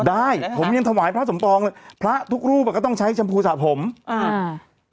ได้ผมยังถวายพระสมปองเลยพระทุกรูปอ่ะก็ต้องใช้ชมพูสะผมอ่า